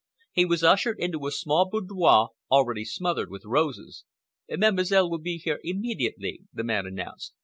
He was ushered into a small boudoir, already smothered with roses. "Mademoiselle will be here immediately," the man announced.